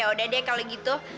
ya udah deh kalau gitu